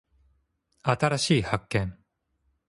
新しい発見